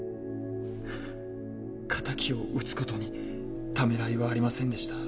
敵を討つ事にためらいはありませんでした。